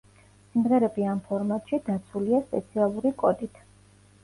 სიმღერები ამ ფორმატში დაცულია სპეციალური კოდით.